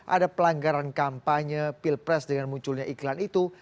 ada pelanggaran kampanye pilpres dengan munculnya iklan itu